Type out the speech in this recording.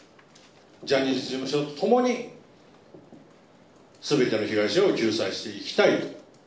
ジャニーズ事務所とともにすべての被害者を救済していきたいと。